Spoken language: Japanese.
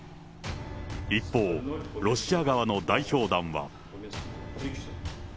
一方、ロシア側の代表団は。